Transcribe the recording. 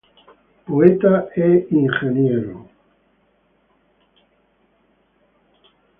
Poeta e Ingeniero.